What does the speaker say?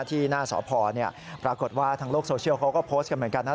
ที่หน้าสพปรากฏว่าทางโลกโซเชียลเขาก็โพสต์กันเหมือนกันนะ